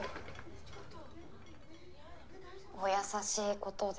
お優しいことで。